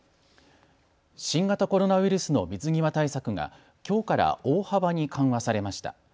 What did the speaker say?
新型コロナウイルスの水際対策がきょうから大幅に緩和されました。